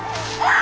あ！